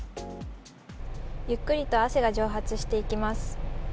ゆっくりと汗が蒸発していきます。